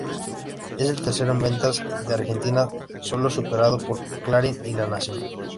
Es el tercero en ventas de Argentina, solo superado por "Clarín" y "La Nación".